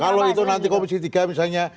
kalau itu nanti komisi tiga misalnya